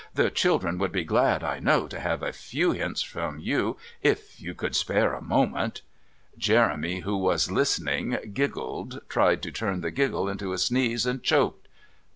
"The children would be glad, I know, to have a few hints from you if you could spare a moment " Jeremy, who was listening, giggled, tried to turn the giggle into a sneeze and choked.